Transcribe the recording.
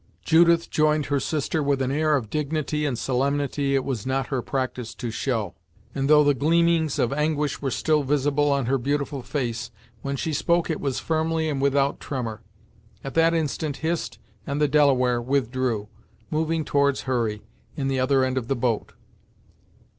Judith joined her sister with an air of dignity and solemnity it was not her practice to show, and, though the gleamings of anguish were still visible on her beautiful face, when she spoke it was firmly and without tremor. At that instant Hist and the Delaware withdrew, moving towards Hurry, in the other end of the boat.